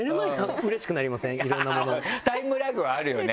タイムラグはあるよね